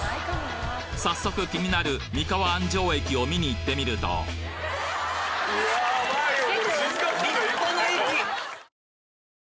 早速気になる三河安城駅を見に行ってみるとヤバいよ。